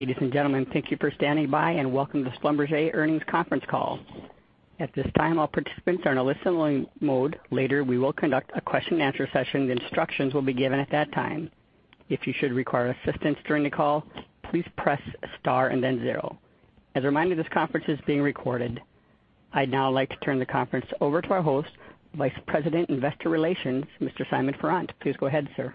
Ladies and gentlemen, thank you for standing by, and welcome to the Schlumberger Earnings Conference Call. At this time, all participants are in a listen-only mode. Later, we will conduct a question-and-answer session. The instructions will be given at that time. If you should require assistance during the call, please press star and then zero. As a reminder, this conference is being recorded. I'd now like to turn the conference over to our host, Vice President, Investor Relations, Mr. Simon Farrant. Please go ahead, sir.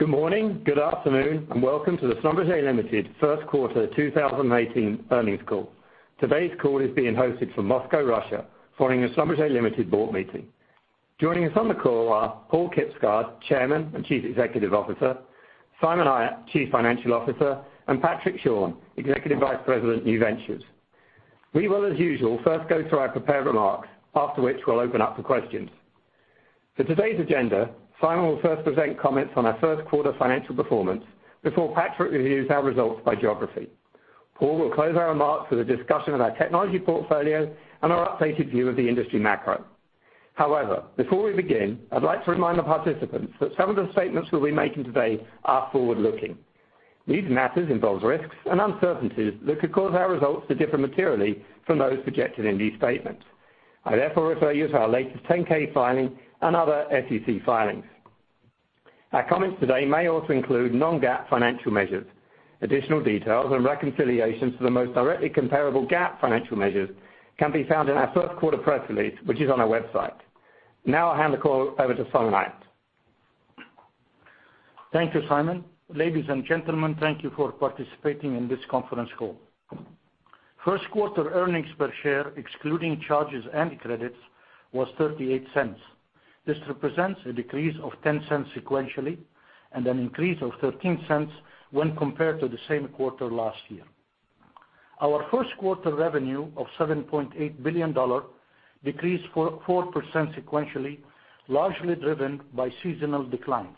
Good morning, good afternoon, and welcome to the Schlumberger Limited First Quarter 2018 earnings call. Today's call is being hosted from Moscow, Russia, following a Schlumberger Limited board meeting. Joining us on the call are Paal Kibsgaard, Chairman and Chief Executive Officer, Simon Ayat, Chief Financial Officer, and Patrick Schorn, Executive Vice President, New Ventures. We will, as usual, first go through our prepared remarks, after which we'll open up to questions. For today's agenda, Simon will first present comments on our first quarter financial performance before Patrick reviews our results by geography. Paal will close our remarks with a discussion of our technology portfolio and our updated view of the industry macro. Before we begin, I'd like to remind the participants that some of the statements we'll be making today are forward-looking. These matters involve risks and uncertainties that could cause our results to differ materially from those projected in these statements. I therefore refer you to our latest 10-K filing and other SEC filings. Our comments today may also include non-GAAP financial measures. Additional details and reconciliations to the most directly comparable GAAP financial measures can be found in our first quarter press release, which is on our website. I'll hand the call over to Simon Ayat. Thank you, Simon. Ladies and gentlemen, thank you for participating in this conference call. First quarter earnings per share, excluding charges and credits, was $0.38. This represents a decrease of $0.10 sequentially and an increase of $0.13 when compared to the same quarter last year. Our first quarter revenue of $7.8 billion decreased 4% sequentially, largely driven by seasonal declines.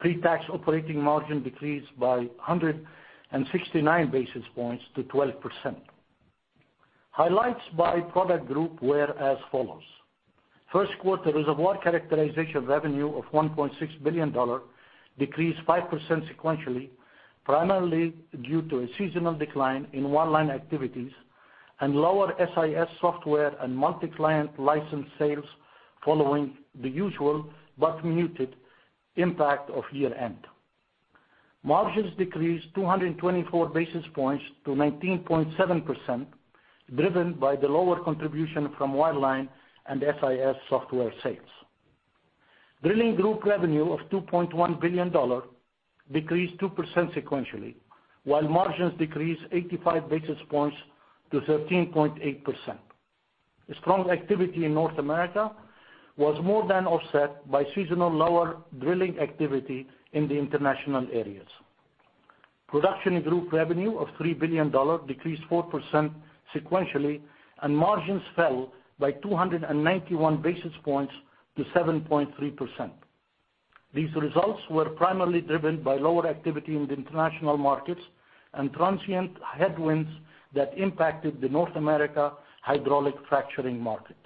Pre-tax operating margin decreased by 169 basis points to 12%. Highlights by product group were as follows. First quarter reservoir characterization revenue of $1.6 billion decreased 5% sequentially, primarily due to a seasonal decline in wireline activities and lower SIS software and multiclient license sales following the usual but muted impact of year-end. Margins decreased 224 basis points to 19.7%, driven by the lower contribution from wireline and SIS software sales. Drilling group revenue of $2.1 billion decreased 2% sequentially, while margins decreased 85 basis points to 13.8%. A strong activity in North America was more than offset by seasonal lower drilling activity in the international areas. Production group revenue of $3 billion decreased 4% sequentially, and margins fell by 291 basis points to 7.3%. These results were primarily driven by lower activity in the international markets and transient headwinds that impacted the North America hydraulic fracturing market.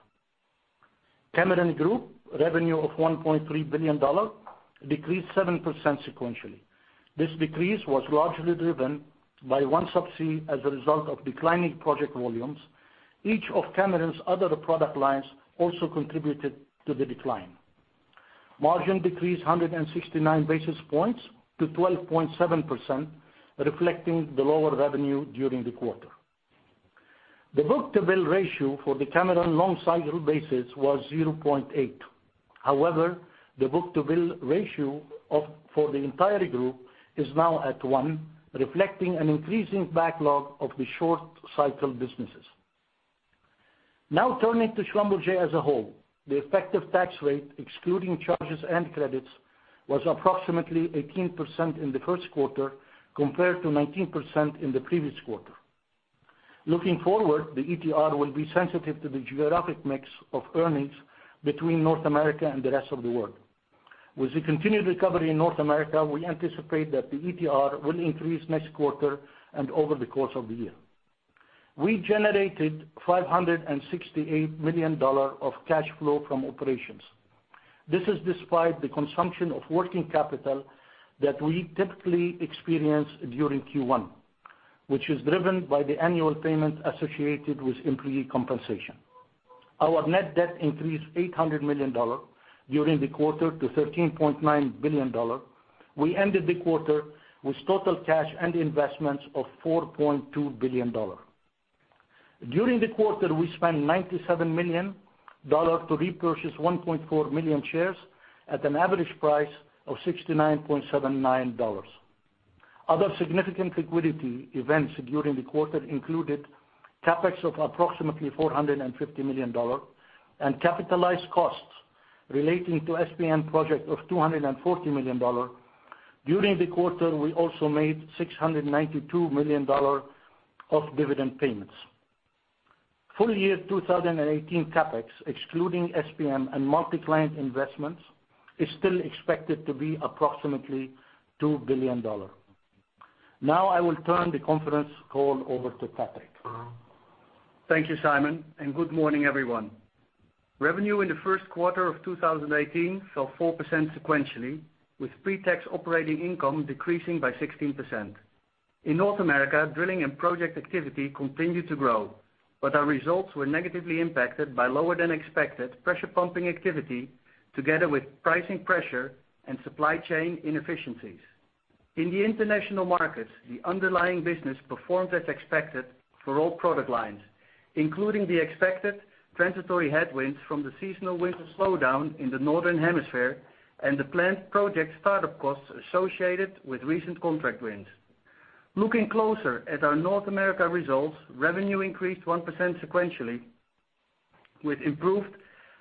Cameron Group revenue of $1.3 billion decreased 7% sequentially. This decrease was largely driven by OneSubsea as a result of declining project volumes. Each of Cameron's other product lines also contributed to the decline. Margin decreased 169 basis points to 12.7%, reflecting the lower revenue during the quarter. The book-to-bill ratio for the Cameron long cycle basis was 0.8. The book-to-bill ratio for the entire group is now at one, reflecting an increasing backlog of the short cycle businesses. Turning to Schlumberger as a whole. The effective tax rate, excluding charges and credits, was approximately 18% in the first quarter compared to 19% in the previous quarter. Looking forward, the ETR will be sensitive to the geographic mix of earnings between North America and the rest of the world. With the continued recovery in North America, we anticipate that the ETR will increase next quarter and over the course of the year. We generated $568 million of cash flow from operations. This is despite the consumption of working capital that we typically experience during Q1, which is driven by the annual payment associated with employee compensation. Our net debt increased $800 million during the quarter to $13.9 billion. We ended the quarter with total cash and investments of $4.2 billion. During the quarter, we spent $97 million to repurchase 1.4 million shares at an average price of $69.79. Other significant liquidity events during the quarter included CapEx of approximately $450 million and capitalized costs relating to SPM project of $240 million. During the quarter, we also made $692 million of dividend payments. Full year 2018 CapEx, excluding SPM and multiclient investments, is still expected to be approximately $2 billion. I will turn the conference call over to Patrick. Thank you, Simon. Good morning, everyone. Revenue in the first quarter of 2018 fell 4% sequentially, with pre-tax operating income decreasing by 16%. In North America, drilling and project activity continued to grow. Our results were negatively impacted by lower than expected pressure pumping activity, together with pricing pressure and supply chain inefficiencies. In the international markets, the underlying business performed as expected for all product lines, including the expected transitory headwinds from the seasonal winter slowdown in the Northern Hemisphere and the planned project startup costs associated with recent contract wins. Looking closer at our North America results, revenue increased 1% sequentially, with improved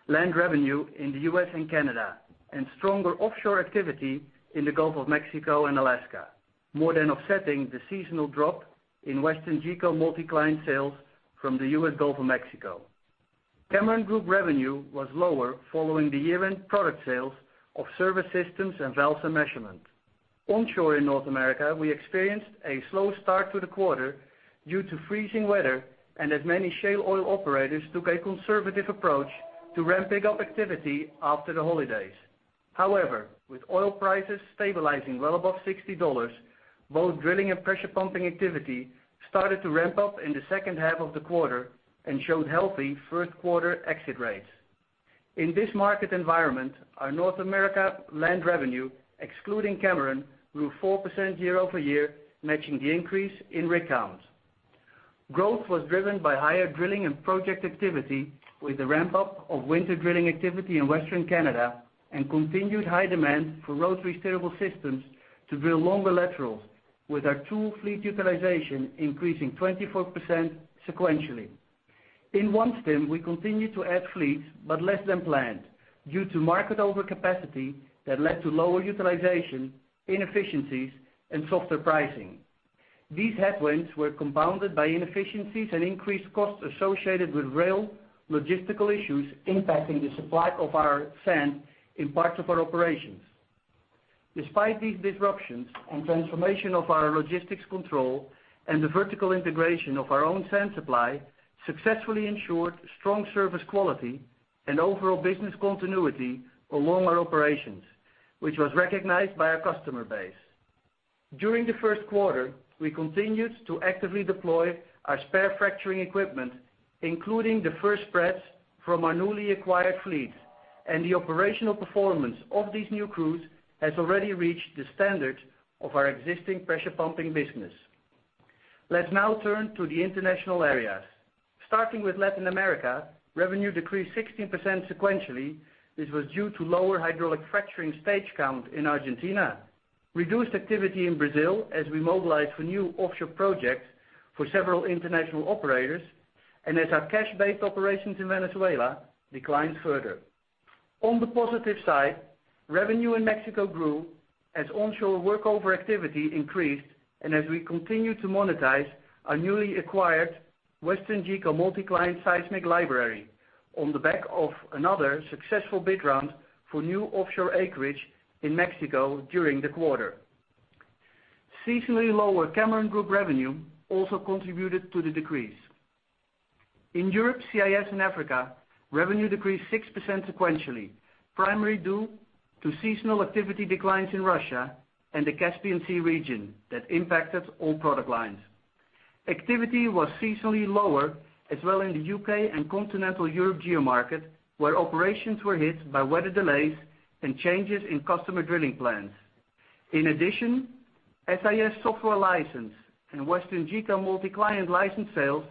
land revenue in the U.S. and Canada, and stronger offshore activity in the Gulf of Mexico and Alaska, more than offsetting the seasonal drop in WesternGeco multiclient sales from the U.S. Gulf of Mexico. Cameron Group revenue was lower following the year-end product sales of Surface Systems and Valves & Measurement. Onshore in North America, we experienced a slow start to the quarter due to freezing weather and as many shale oil operators took a conservative approach to ramping up activity after the holidays. However, with oil prices stabilizing well above $60, both drilling and pressure pumping activity started to ramp up in the second half of the quarter and showed healthy first-quarter exit rates. In this market environment, our North America land revenue, excluding Cameron, grew 4% year-over-year, matching the increase in rig count. Growth was driven by higher drilling and project activity with the ramp-up of winter drilling activity in Western Canada and continued high demand for rotary steerable systems to drill longer laterals with our tool fleet utilization increasing 24% sequentially. In OneStim, we continued to add fleets, but less than planned, due to market overcapacity that led to lower utilization, inefficiencies, and softer pricing. These headwinds were compounded by inefficiencies and increased costs associated with rail logistical issues impacting the supply of our sand in parts of our operations. Despite these disruptions and transformation of our logistics control and the vertical integration of our own sand supply successfully ensured strong service quality and overall business continuity along our operations, which was recognized by our customer base. During the first quarter, we continued to actively deploy our spare fracturing equipment, including the first spreads from our newly acquired fleets, and the operational performance of these new crews has already reached the standard of our existing pressure pumping business. Let's now turn to the international areas. Starting with Latin America, revenue decreased 16% sequentially. This was due to lower hydraulic fracturing stage count in Argentina, reduced activity in Brazil as we mobilized for new offshore projects for several international operators, and as our cash-based operations in Venezuela declined further. On the positive side, revenue in Mexico grew as onshore workover activity increased, and as we continued to monetize our newly acquired WesternGeco multiclient seismic library on the back of another successful bid round for new offshore acreage in Mexico during the quarter. Seasonally lower Cameron Group revenue also contributed to the decrease. In Europe, CIS, and Africa, revenue decreased 6% sequentially, primarily due to seasonal activity declines in Russia and the Caspian Sea region that impacted all product lines. Activity was seasonally lower as well in the U.K. and Continental Europe geomarket, where operations were hit by weather delays and changes in customer drilling plans. In addition, SIS software license and WesternGeco multiclient license sales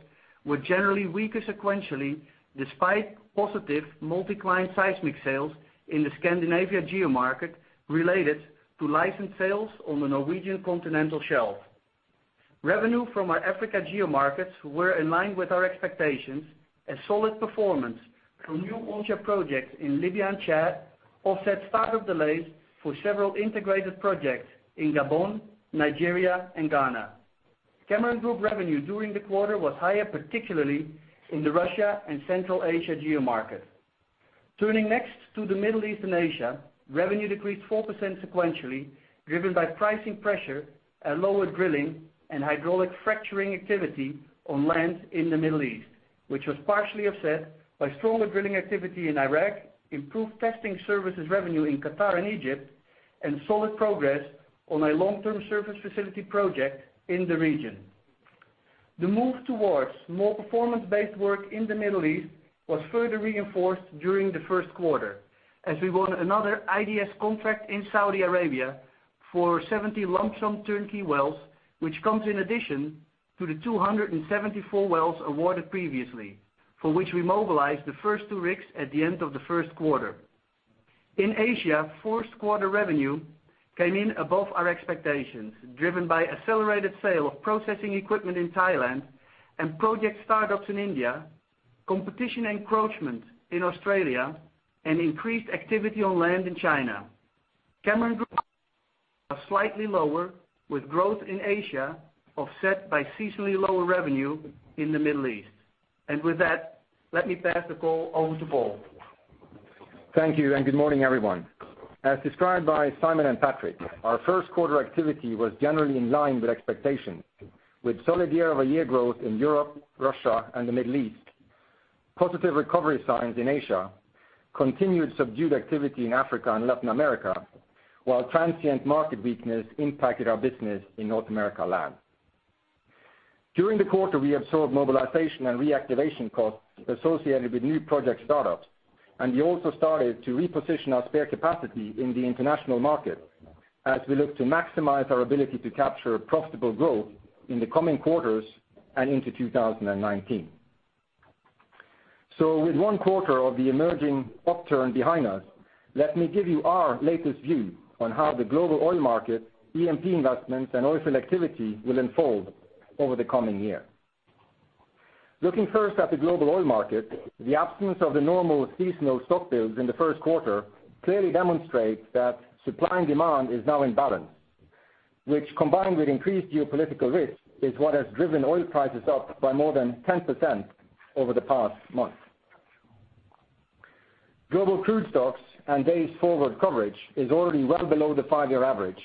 were generally weaker sequentially, despite positive multiclient seismic sales in the Scandinavia geomarket related to license sales on the Norwegian Continental Shelf. Revenue from our Africa geomarkets were in line with our expectations as solid performance from new onshore projects in Libya and Chad offset startup delays for several integrated projects in Gabon, Nigeria, and Ghana. Cameron Group revenue during the quarter was higher, particularly in the Russia and Central Asia geomarket. Turning next to the Middle East and Asia, revenue decreased 4% sequentially, driven by pricing pressure and lower drilling and hydraulic fracturing activity on land in the Middle East, which was partially offset by stronger drilling activity in Iraq, improved testing services revenue in Qatar and Egypt, and solid progress on a long-term surface facility project in the region. The move towards more performance-based work in the Middle East was further reinforced during the first quarter as we won another IDS contract in Saudi Arabia for 70 lump-sum turnkey wells, which comes in addition to the 274 wells awarded previously, for which we mobilized the first two rigs at the end of the first quarter. In Asia, first quarter revenue came in above our expectations, driven by accelerated sale of processing equipment in Thailand and project startups in India, competition encroachment in Australia, and increased activity on land in China. Cameron Group was slightly lower with growth in Asia offset by seasonally lower revenue in the Middle East. With that, let me pass the call over to Paal. Thank you. Good morning, everyone. As described by Simon and Patrick, our first quarter activity was generally in line with expectations. With solid year-over-year growth in Europe, Russia, and the Middle East, positive recovery signs in Asia, continued subdued activity in Africa and Latin America, while transient market weakness impacted our business in North America land. During the quarter, we absorbed mobilization and reactivation costs associated with new project startups, we also started to reposition our spare capacity in the international market as we look to maximize our ability to capture profitable growth in the coming quarters and into 2019. With one quarter of the emerging upturn behind us, let me give you our latest view on how the global oil market, E&P investments, and oil field activity will unfold over the coming year. Looking first at the global oil market, the absence of the normal seasonal stock builds in the first quarter clearly demonstrates that supply and demand is now in balance, which, combined with increased geopolitical risk, is what has driven oil prices up by more than 10% over the past month. Global crude stocks and days forward coverage is already well below the five-year average,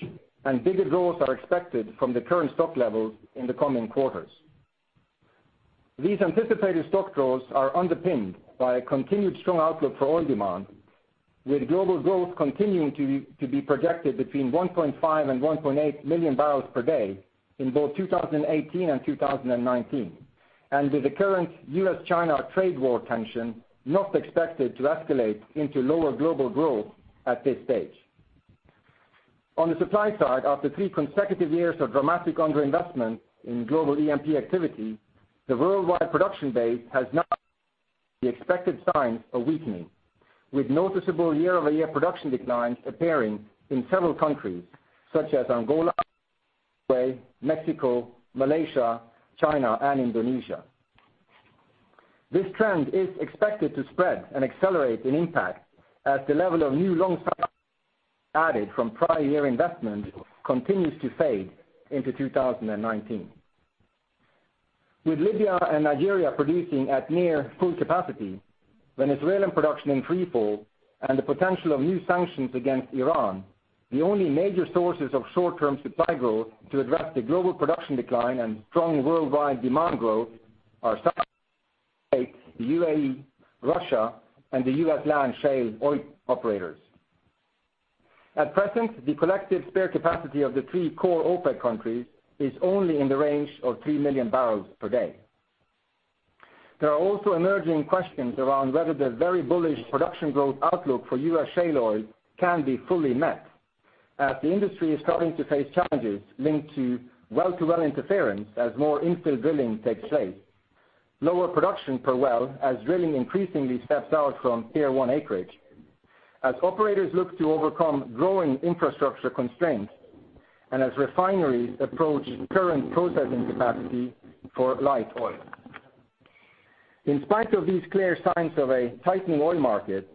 bigger draws are expected from the current stock levels in the coming quarters. These anticipated stock draws are underpinned by a continued strong outlook for oil demand, with global growth continuing to be projected between 1.5 and 1.8 million barrels per day in both 2018 and 2019, with the current U.S.-China trade war tension not expected to escalate into lower global growth at this stage. On the supply side, after three consecutive years of dramatic underinvestment in global E&P activity, the worldwide production base has now the expected signs of weakening, with noticeable year-over-year production declines appearing in several countries such as Angola, Mexico, Malaysia, China, and Indonesia. This trend is expected to spread and accelerate in impact as the level of new long added from prior year investment continues to fade into 2019. With Libya and Nigeria producing at near full capacity, Venezuelan production in free fall, and the potential of new sanctions against Iran, the only major sources of short-term supply growth to address the global production decline and strong worldwide demand growth are Saudi, UAE, Russia, and the U.S. land shale oil operators. At present, the collective spare capacity of the three core OPEC countries is only in the range of three million barrels per day. There are also emerging questions around whether the very bullish production growth outlook for U.S. shale oil can be fully met as the industry is starting to face challenges linked to well-to-well interference as more infill drilling takes place. Lower production per well as drilling increasingly steps out from Tier 1 acreage, as operators look to overcome growing infrastructure constraints, and as refineries approach current processing capacity for light oil. In spite of these clear signs of a tightening oil market,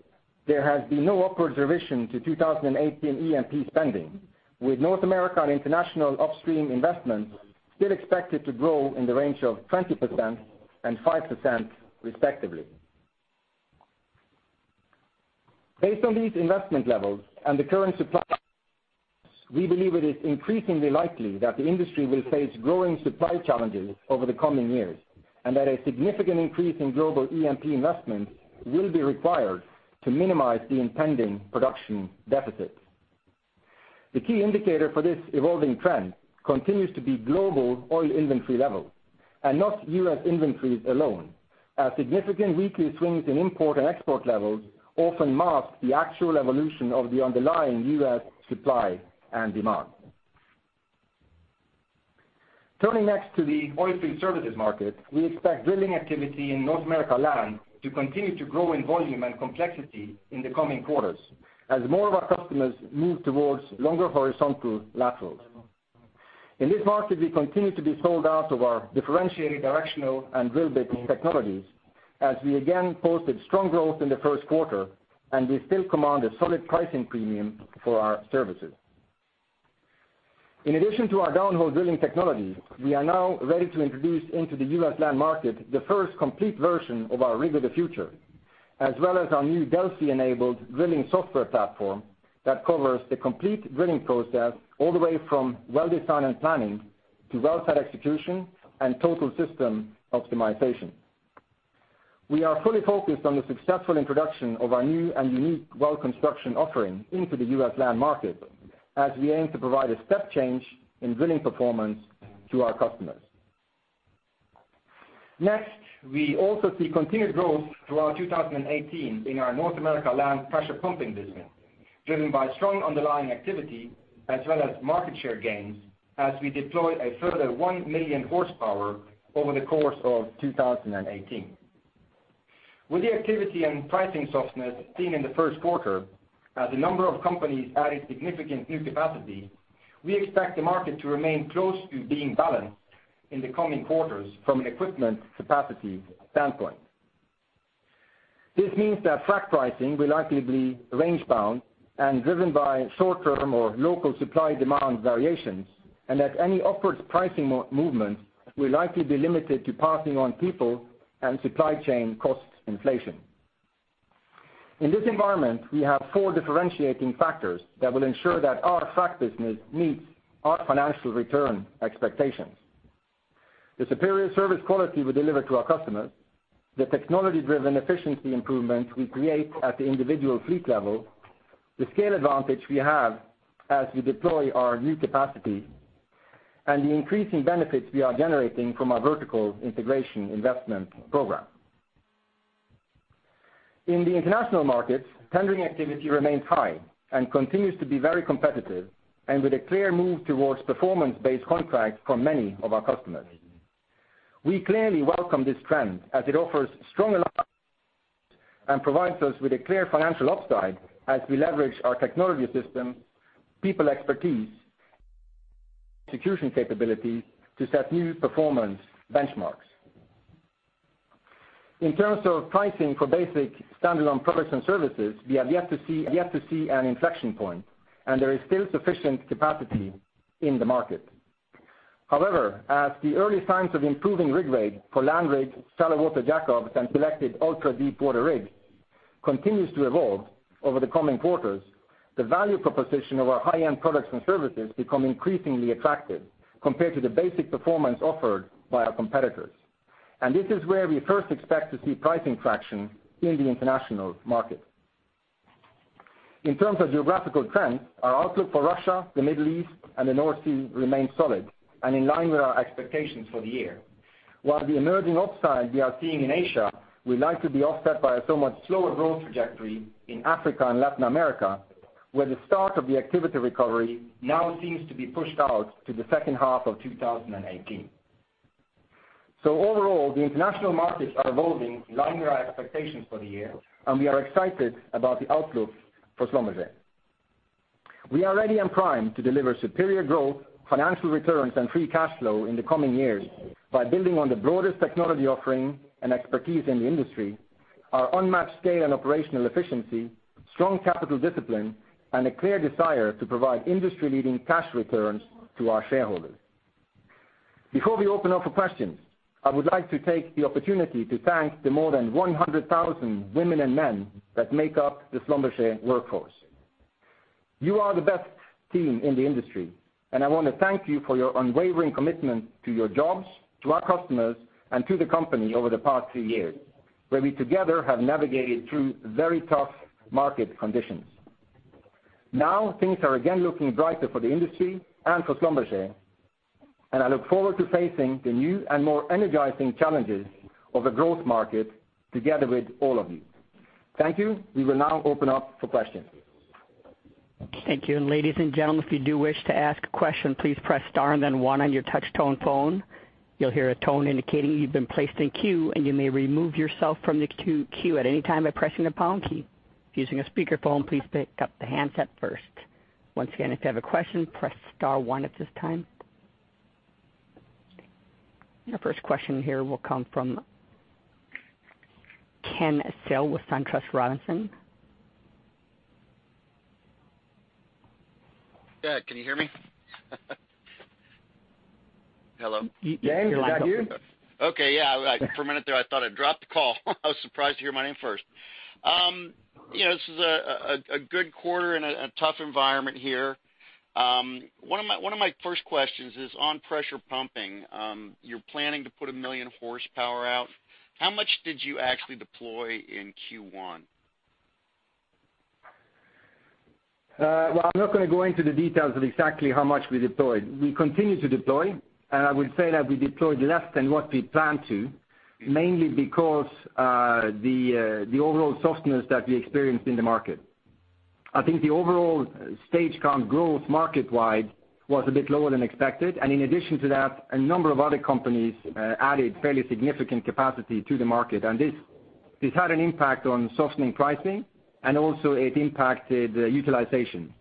there has been no upward revision to 2018 E&P spending, with North America and international upstream investments still expected to grow in the range of 20% and 5%, respectively. Based on these investment levels and the current supply, we believe it is increasingly likely that the industry will face growing supply challenges over the coming years, and that a significant increase in global E&P investments will be required to minimize the impending production deficits. The key indicator for this evolving trend continues to be global oil inventory levels and not U.S. inventories alone, as significant weekly swings in import and export levels often mask the actual evolution of the underlying U.S. supply and demand. Turning next to the oilfield services market. We expect drilling activity in North America land to continue to grow in volume and complexity in the coming quarters as more of our customers move towards longer horizontal laterals. In this market, we continue to be sold out of our differentiated directional and drill bit technologies as we again posted strong growth in the first quarter, and we still command a solid pricing premium for our services. In addition to our downhole drilling technology, we are now ready to introduce into the U.S. land market the first complete version of our Rig of the Future, as well as our new Delfi-enabled drilling software platform that covers the complete drilling process all the way from well design and planning to well site execution and total system optimization. We are fully focused on the successful introduction of our new and unique well construction offering into the U.S. land market as we aim to provide a step change in drilling performance to our customers. We also see continued growth throughout 2018 in our North America land pressure pumping business, driven by strong underlying activity as well as market share gains as we deploy a further 1 million horsepower over the course of 2018. With the activity and pricing softness seen in the first quarter, as a number of companies added significant new capacity, we expect the market to remain close to being balanced in the coming quarters from an equipment capacity standpoint. This means that frac pricing will likely be range bound and driven by short-term or local supply-demand variations, and that any upward pricing movement will likely be limited to passing on people and supply chain cost inflation. In this environment, we have four differentiating factors that will ensure that our frac business meets our financial return expectations. The superior service quality we deliver to our customers, the technology-driven efficiency improvements we create at the individual fleet level, the scale advantage we have as we deploy our new capacity, and the increasing benefits we are generating from our vertical integration investment program. In the international markets, tendering activity remains high and continues to be very competitive, with a clear move towards performance-based contracts for many of our customers. We clearly welcome this trend as it provides us with a clear financial upside as we leverage our technology system, people expertise, execution capability to set new performance benchmarks. In terms of pricing for basic standalone products and services, we have yet to see an inflection point, there is still sufficient capacity in the market. However, as the early signs of improving rig rate for land rigs, shallow water jackups, and selected ultra-deepwater rigs continues to evolve over the coming quarters, the value proposition of our high-end products and services become increasingly attractive compared to the basic performance offered by our competitors. This is where we first expect to see pricing traction in the international market. In terms of geographical trends, our outlook for Russia, the Middle East, and the North Sea remains solid and in line with our expectations for the year. While the emerging upside we are seeing in Asia will likely be offset by a somewhat slower growth trajectory in Africa and Latin America, where the start of the activity recovery now seems to be pushed out to the second half of 2018. Overall, the international markets are evolving in line with our expectations for the year, we are excited about the outlook for Schlumberger. We are ready and primed to deliver superior growth, financial returns, and free cash flow in the coming years by building on the broadest technology offering and expertise in the industry, our unmatched scale and operational efficiency, strong capital discipline, and a clear desire to provide industry-leading cash returns to our shareholders. Before we open up for questions, I would like to take the opportunity to thank the more than 100,000 women and men that make up the Schlumberger workforce. You are the best team in the industry, I want to thank you for your unwavering commitment to your jobs, to our customers, and to the company over the past two years, where we together have navigated through very tough market conditions. Things are again looking brighter for the industry for Schlumberger, I look forward to facing the new and more energizing challenges of a growth market together with all of you. Thank you. We will now open up for questions. Thank you. Ladies and gentlemen, if you do wish to ask a question, please press star and then one on your touch tone phone. You'll hear a tone indicating you've been placed in queue, and you may remove yourself from the queue at any time by pressing the pound key. If using a speakerphone, please pick up the handset first. Once again, if you have a question, press star one at this time. Our first question here will come from Ken Sill with SunTrust Robinson. Yeah. Can you hear me? Hello? Yeah. Ken, is that you? Okay. Yeah. For a minute there, I thought I dropped the call. I was surprised to hear my name first. This is a good quarter and a tough environment here. One of my first questions is on pressure pumping. You're planning to put 1 million horsepower out. How much did you actually deploy in Q1? I'm not going to go into the details of exactly how much we deployed. We continue to deploy. I would say that we deployed less than what we planned to, mainly because the overall softness that we experienced in the market. I think the overall stage count growth market-wide was a bit lower than expected. In addition to that, a number of other companies added fairly significant capacity to the market, and this has had an impact on softening pricing, and also it impacted utilization.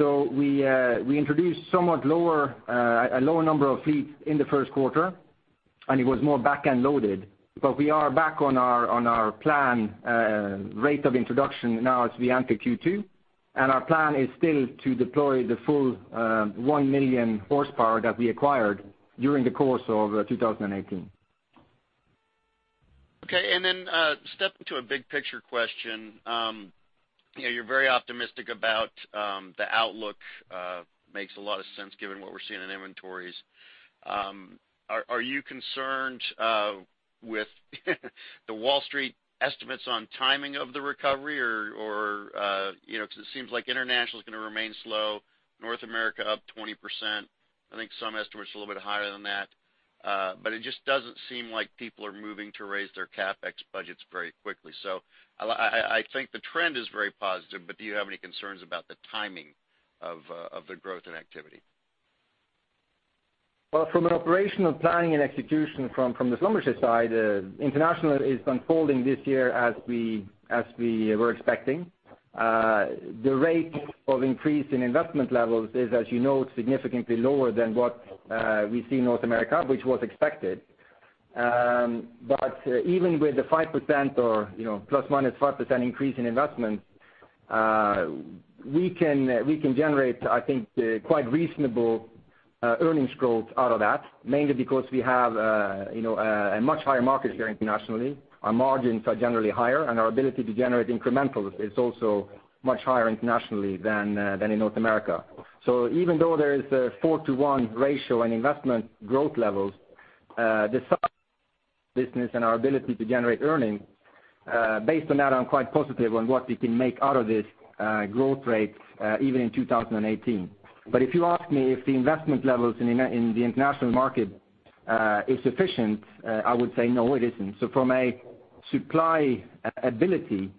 We introduced a lower number of fleets in the first quarter, and it was more back-end loaded. We are back on our plan rate of introduction now as we enter Q2, and our plan is still to deploy the full 1 million horsepower that we acquired during the course of 2018. Okay. Stepping to a big picture question. You're very optimistic about the outlook. Makes a lot of sense given what we're seeing in inventories. Are you concerned with the Wall Street estimates on timing of the recovery? Because it seems like international is going to remain slow, North America up 20%. I think some estimates are a little bit higher than that. It just doesn't seem like people are moving to raise their CapEx budgets very quickly. I think the trend is very positive, but do you have any concerns about the timing of the growth and activity? From an operational planning and execution from the Schlumberger side, international is unfolding this year as we were expecting. The rate of increase in investment levels is, as you know, significantly lower than what we see in North America, which was expected. Even with the 5% or ±5% increase in investment, we can generate, I think, quite reasonable earnings growth out of that, mainly because we have a much higher market share internationally. Our margins are generally higher, and our ability to generate incremental is also much higher internationally than in North America. So even though there is a 4 to 1 ratio in investment growth levels, the size of the business and our ability to generate earnings, based on that, I'm quite positive on what we can make out of this growth rate even in 2018. If you ask me if the investment levels in the international market is sufficient, I would say no, it isn't. From a supply ability,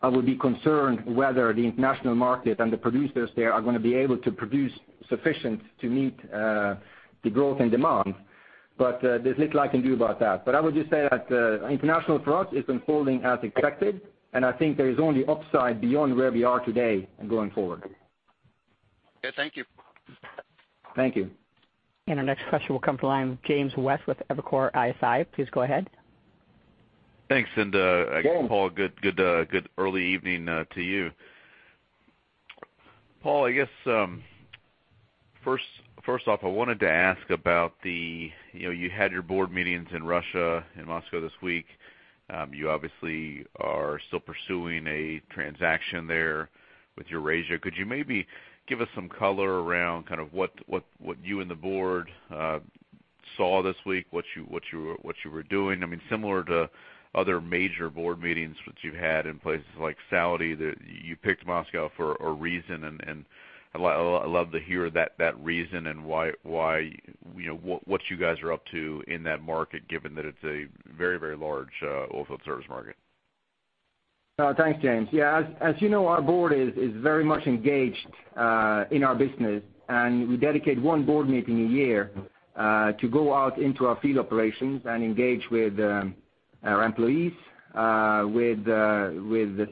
I would be concerned whether the international market and the producers there are going to be able to produce sufficient to meet the growth and demand. There's little I can do about that. I would just say that international for us is unfolding as expected, and I think there is only upside beyond where we are today going forward. Okay. Thank you. Thank you. Our next question will come from the line of James West with Evercore ISI. Please go ahead. Thanks. I guess, Paal, good early evening to you. Paal, I guess first off, I wanted to ask about the, you had your board meetings in Russia, in Moscow this week. You obviously are still pursuing a transaction there with Eurasia. Could you maybe give us some color around what you and the board saw this week, what you were doing? Similar to other major board meetings which you've had in places like Saudi, that you picked Moscow for a reason, and I'd love to hear that reason and what you guys are up to in that market, given that it's a very large oilfield service market. Thanks, James. Yeah. As you know, our board is very much engaged in our business, and we dedicate one board meeting a year to go out into our field operations and engage with our employees, with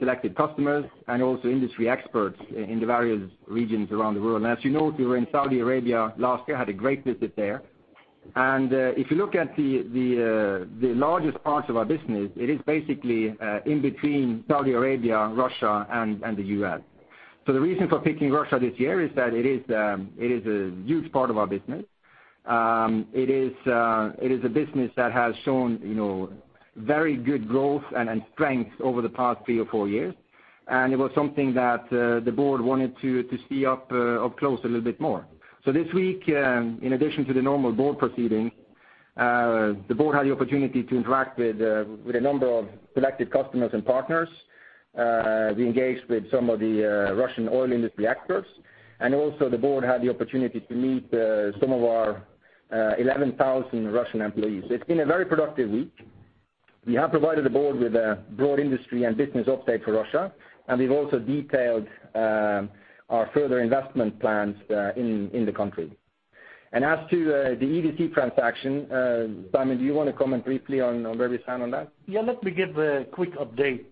selected customers and also industry experts in the various regions around the world. As you know, we were in Saudi Arabia last year, had a great visit there. If you look at the largest parts of our business, it is basically in between Saudi Arabia, Russia, and the U.S. The reason for picking Russia this year is that it is a huge part of our business. It is a business that has shown very good growth and strength over the past three or four years, and it was something that the board wanted to see up close a little bit more. This week, in addition to the normal board proceedings, the board had the opportunity to interact with a number of selected customers and partners. We engaged with some of the Russian oil industry experts, and also the board had the opportunity to meet some of our 11,000 Russian employees. It's been a very productive week. We have provided the board with a broad industry and business update for Russia, and we've also detailed our further investment plans in the country. As to the EDC transaction, Simon, do you want to comment briefly on where we stand on that? Yeah. Let me give a quick update.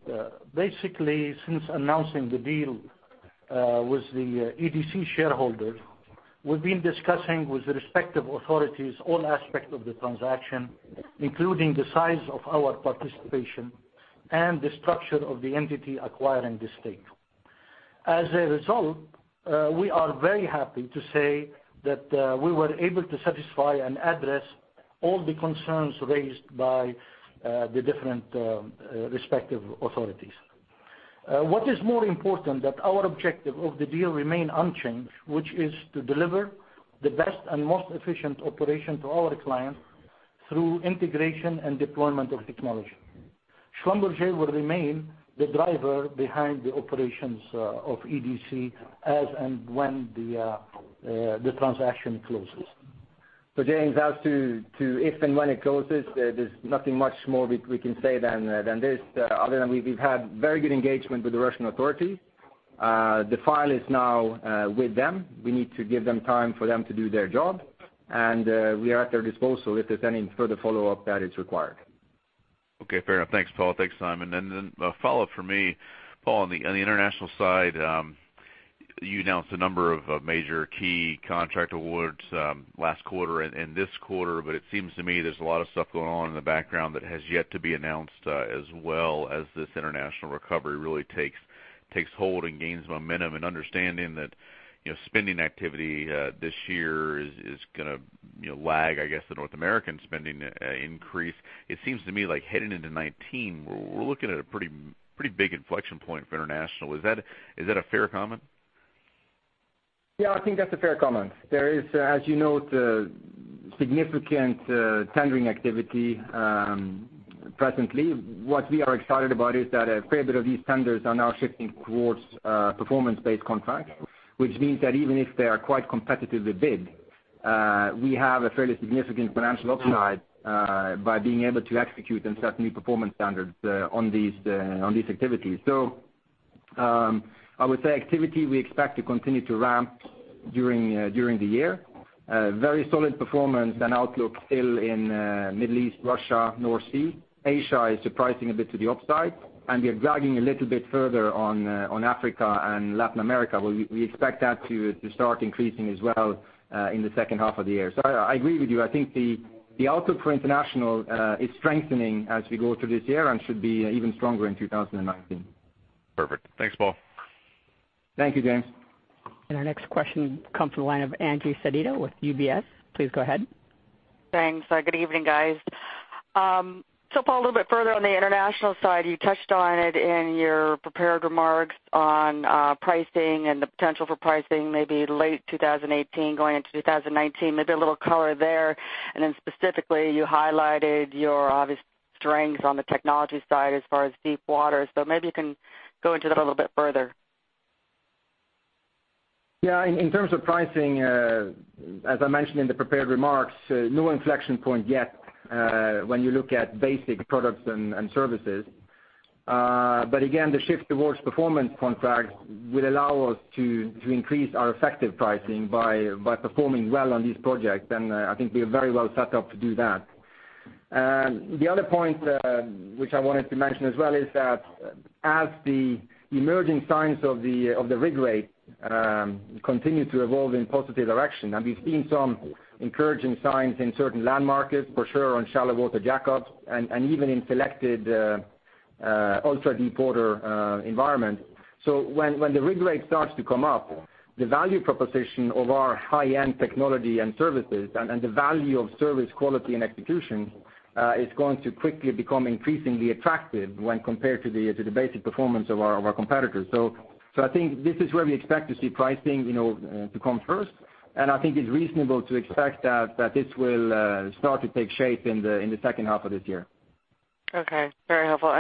Basically, since announcing the deal with the EDC shareholders, we've been discussing with the respective authorities all aspects of the transaction, including the size of our participation and the structure of the entity acquiring this stake. As a result, we are very happy to say that we were able to satisfy and address all the concerns raised by the different respective authorities. What is more important that our objective of the deal remain unchanged, which is to deliver the best and most efficient operation to our clients through integration and deployment of technology. Schlumberger will remain the driver behind the operations of EDC as and when the transaction closes. James, as to if and when it closes, there's nothing much more we can say than this, other than we've had very good engagement with the Russian authorities. The file is now with them. We need to give them time for them to do their job, and we are at their disposal if there's any further follow-up that is required. Okay. Fair enough. Thanks, Paal. Thanks, Simon. A follow-up from me. Paal, on the international side, you announced a number of major key contract awards last quarter and this quarter, it seems to me there's a lot of stuff going on in the background that has yet to be announced as well as this international recovery really takes hold and gains momentum. Understanding that spending activity this year is going to lag, I guess, the North American spending increase. It seems to me like heading into 2019, we're looking at a pretty big inflection point for international. Is that a fair comment? Yeah, I think that's a fair comment. There is, as you note, significant tendering activity presently. What we are excited about is that a fair bit of these tenders are now shifting towards performance-based contracts, which means that even if they are quite competitively bid, we have a fairly significant financial upside by being able to execute and set new performance standards on these activities. I would say activity we expect to continue to ramp during the year. Very solid performance and outlook still in Middle East, Russia, North Sea. Asia is surprising a bit to the upside, we are lagging a little bit further on Africa and Latin America. We expect that to start increasing as well in the second half of the year. I agree with you. I think the outlook for international is strengthening as we go through this year and should be even stronger in 2019. Perfect. Thanks, Paal. Thank you, James. Our next question comes from the line of Angie Sedita with UBS. Please go ahead. Thanks. Good evening, guys. Paal, a little bit further on the international side, you touched on it in your prepared remarks on pricing and the potential for pricing maybe late 2018 going into 2019, maybe a little color there. Specifically, you highlighted your obvious strengths on the technology side as far as deepwater. Maybe you can go into that a little bit further. Yeah. In terms of pricing, as I mentioned in the prepared remarks, no inflection point yet when you look at basic products and services. Again, the shift towards performance contracts will allow us to increase our effective pricing by performing well on these projects, and I think we are very well set up to do that. The other point, which I wanted to mention as well, is that as the emerging signs of the rig rate continue to evolve in a positive direction, and we've seen some encouraging signs in certain land markets, for sure on shallow water jackups and even in selected ultra-deepwater environments. When the rig rate starts to come up, the value proposition of our high-end technology and services, and the value of service quality and execution, is going to quickly become increasingly attractive when compared to the basic performance of our competitors. I think this is where we expect to see pricing to come first, and I think it's reasonable to expect that this will start to take shape in the second half of this year. Okay. Very helpful.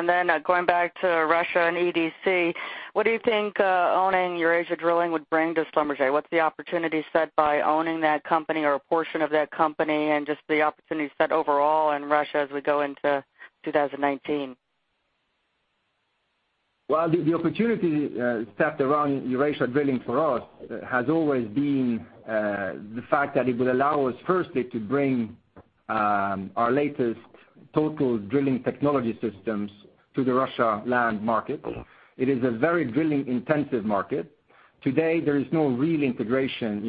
Going back to Russia and EDC, what do you think owning Eurasia Drilling would bring to Schlumberger? What's the opportunity set by owning that company or a portion of that company, and just the opportunity set overall in Russia as we go into 2019? The opportunity set around Eurasia Drilling for us has always been the fact that it will allow us firstly to bring our latest total drilling technology systems to the Russia land market. It is a very drilling-intensive market. Today, there is no real integration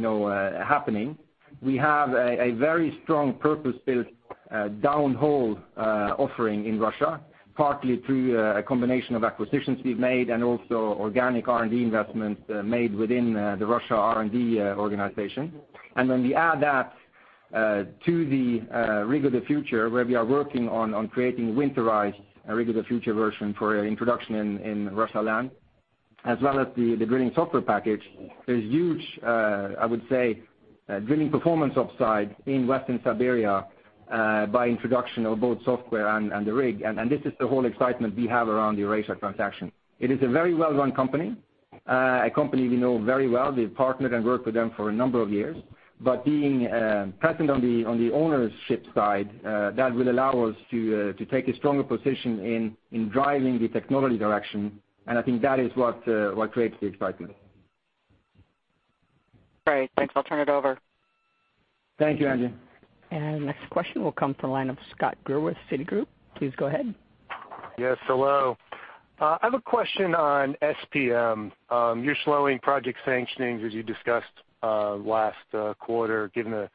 happening. We have a very strong purpose-built downhole offering in Russia, partly through a combination of acquisitions we've made and also organic R&D investments made within the Russia R&D organization. When we add that to the Rig of the Future, where we are working on creating winterized Rig of the Future version for introduction in Russia land, as well as the drilling software package, there's huge, I would say, drilling performance upside in Western Siberia by introduction of both software and the rig, and this is the whole excitement we have around the Eurasia transaction. It is a very well-run company, a company we know very well. We've partnered and worked with them for a number of years. Being present on the ownership side, that will allow us to take a stronger position in driving the technology direction, and I think that is what creates the excitement. Great. Thanks. I'll turn it over. Thank you, Angie. Next question will come from line of Scott Gruber with Citigroup. Please go ahead. Yes, hello. I have a question on SPM. You're slowing project sanctioning, as you discussed last quarter, given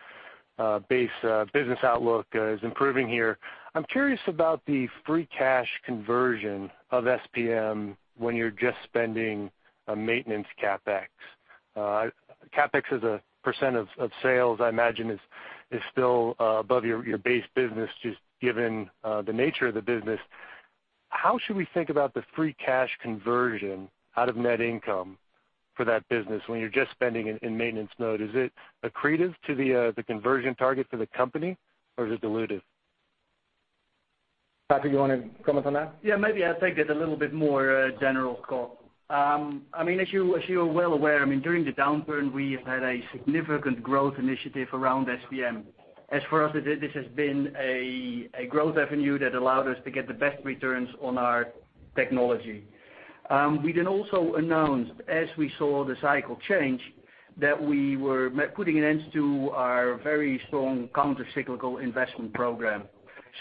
the base business outlook is improving here. I'm curious about the free cash conversion of SPM when you're just spending a maintenance CapEx. CapEx as a % of sales, I imagine is still above your base business, just given the nature of the business. How should we think about the free cash conversion out of net income for that business when you're just spending in maintenance mode? Is it accretive to the conversion target for the company, or is it dilutive? Patrick, you want to comment on that? Yeah, maybe I'll take it a little bit more general, Scott. As you are well aware, during the downturn, we have had a significant growth initiative around SPM. For us, this has been a growth avenue that allowed us to get the best returns on our technology. We then also announced, as we saw the cycle change, that we were putting an end to our very strong countercyclical investment program.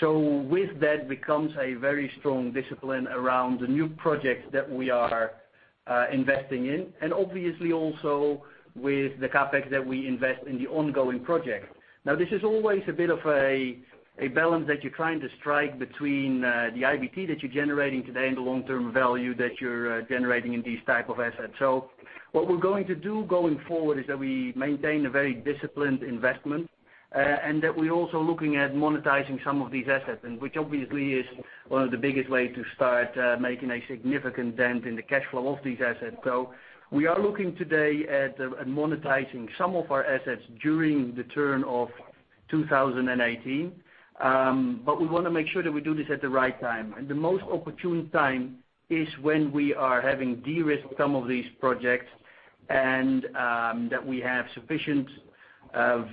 With that comes a very strong discipline around the new projects that we are investing in, and obviously also with the CapEx that we invest in the ongoing project. This is always a bit of a balance that you're trying to strike between the IBT that you're generating today and the long-term value that you're generating in these type of assets. What we're going to do going forward is that we maintain a very disciplined investment, and that we're also looking at monetizing some of these assets, and which obviously is one of the biggest ways to start making a significant dent in the cash flow of these assets. We are looking today at monetizing some of our assets during the turn of 2018. We want to make sure that we do this at the right time. The most opportune time is when we are having de-risked some of these projects and that we have sufficient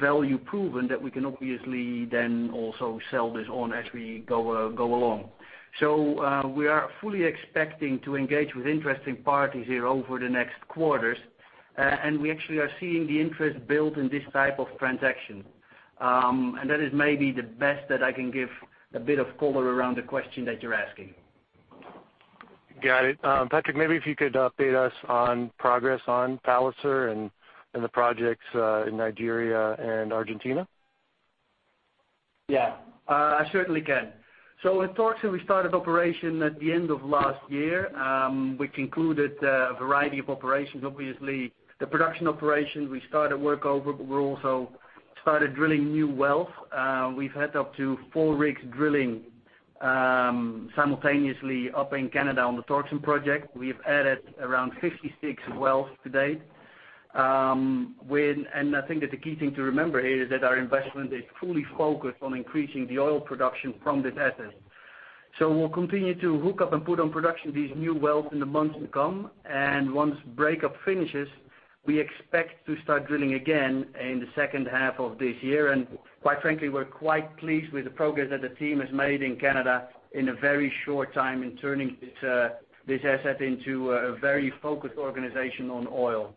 value proven that we can obviously then also sell this on as we go along. We are fully expecting to engage with interesting parties here over the next quarters, and we actually are seeing the interest build in this type of transaction. That is maybe the best that I can give a bit of color around the question that you're asking. Got it. Patrick, maybe if you could update us on progress on Palliser and the projects in Nigeria and Argentina? Yeah. I certainly can. With Torc, we started operation at the end of last year. We concluded a variety of operations. Obviously, the production operations, we started work over, but we also started drilling new wells. We've had up to four rigs drilling simultaneously up in Canada on the Torc project. We've added around 56 wells to date. I think that the key thing to remember here is that our investment is fully focused on increasing the oil production from this asset. We'll continue to hook up and put on production these new wells in the months to come. Once breakup finishes, we expect to start drilling again in the second half of this year. Quite frankly, we're quite pleased with the progress that the team has made in Canada in a very short time in turning this asset into a very focused organization on oil.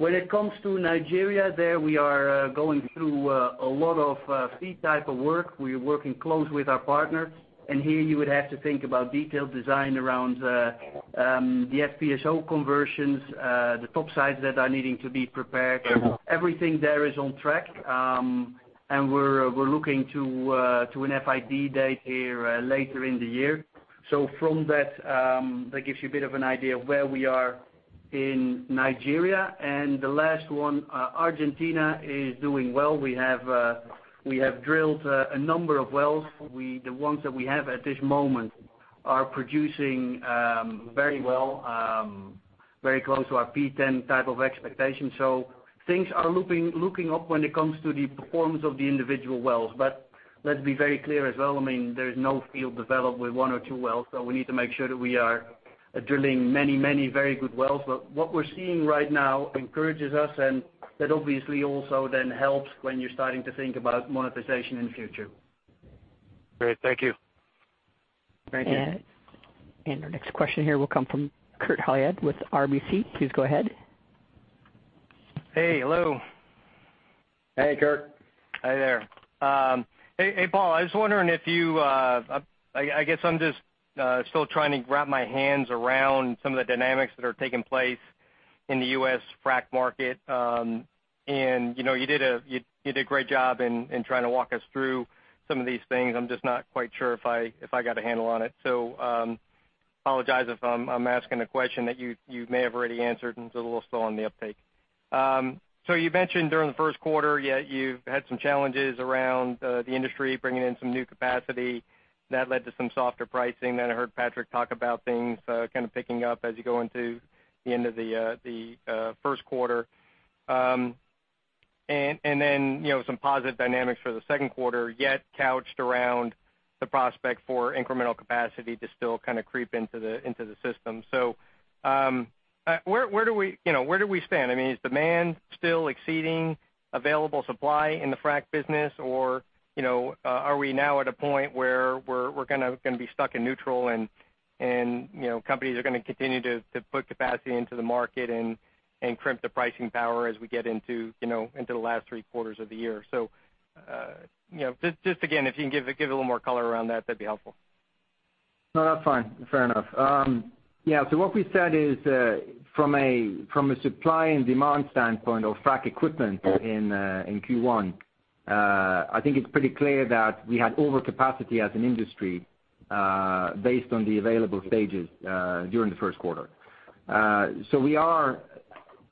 When it comes to Nigeria, there we are going through a lot of feed type of work. We are working closely with our partner, here you would have to think about detailed design around the FPSO conversions, the top sides that are needing to be prepared. Everything there is on track, we're looking to an FID date here later in the year. From that gives you a bit of an idea of where we are in Nigeria. The last one, Argentina is doing well. We have drilled a number of wells. The ones that we have at this moment are producing very well, very close to our P10 type of expectation. Things are looking up when it comes to the performance of the individual wells. Let's be very clear as well, there's no field developed with one or two wells, we need to make sure that we are drilling many very good wells. What we're seeing right now encourages us, that obviously also then helps when you're starting to think about monetization in the future. Great. Thank you. Thank you. Our next question here will come from Kurt Hallead with RBC. Please go ahead. Hey. Hello. Hey, Kurt. Hi there. Hey, Paal, I guess I'm just still trying to wrap my hands around some of the dynamics that are taking place in the U.S. frack market. You did a great job in trying to walk us through some of these things. I'm just not quite sure if I got a handle on it. Apologize if I'm asking a question that you may have already answered, and it's a little slow on the uptake. You mentioned during the first quarter, you've had some challenges around the industry bringing in some new capacity that led to some softer pricing. I heard Patrick talk about things kind of picking up as you go into the end of the first quarter. Some positive dynamics for the second quarter, yet couched around the prospect for incremental capacity to still kind of creep into the system. Where do we stand? Is demand still exceeding available supply in the frack business, or are we now at a point where we're going to be stuck in neutral and companies are going to continue to put capacity into the market and crimp the pricing power as we get into the last three quarters of the year? Just again, if you can give a little more color around that'd be helpful. No, that's fine. Fair enough. Yeah. What we said is, from a supply and demand standpoint of frack equipment in Q1, I think it's pretty clear that we had overcapacity as an industry based on the available stages during the first quarter. We are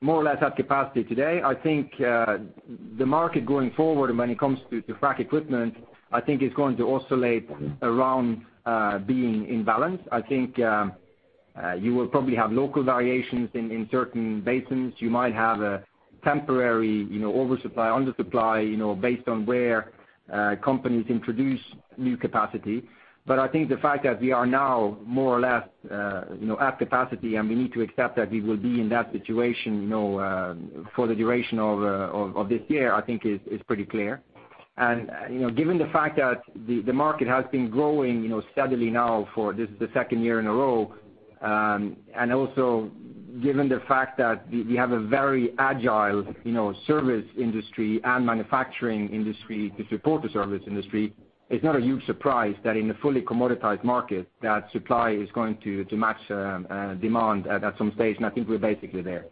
more or less at capacity today. I think the market going forward, and when it comes to frack equipment, I think it's going to oscillate around being in balance. I think you will probably have local variations in certain basins. You might have a temporary oversupply, undersupply, based on where companies introduce new capacity. I think the fact that we are now more or less at capacity, and we need to accept that we will be in that situation for the duration of this year, I think is pretty clear. Given the fact that the market has been growing steadily now for this is the second year in a row, also given the fact that we have a very agile service industry and manufacturing industry to support the service industry, it's not a huge surprise that in a fully commoditized market, that supply is going to match demand at some stage. I think we're basically there.